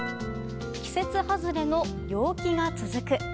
季節外れの陽気が続く。